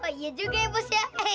iya juga ya bos